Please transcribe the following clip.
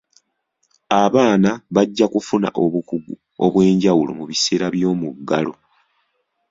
Abaana bajja kufuna obukugu obw'enjawulo mu biseera by'omuggalo.